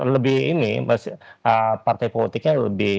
lebih ini partai politiknya lebih